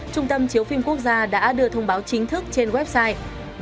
trung tâm chiếu phim quốc gia đã đưa thông báo chính thức trên website